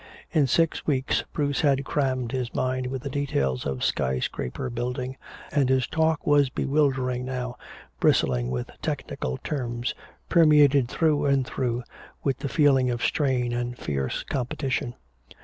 In six weeks Bruce had crammed his mind with the details of skyscraper building, and his talk was bewildering now, bristling with technical terms, permeated through and through with the feeling of strain and fierce competition.